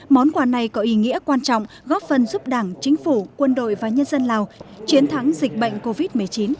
món quà này có ý nghĩa quan trọng góp phần giúp đảng chính phủ quân đội và nhân dân lào chiến thắng dịch bệnh covid một mươi chín